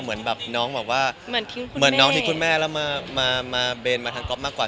เหมือนแบบน้องทิ้งคุณแม่แล้วมาเบนมาทางก็อปมากกว่า